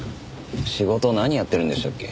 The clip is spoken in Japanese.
仕事何やってるんでしたっけ？